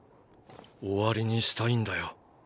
終わりにしたいんだよ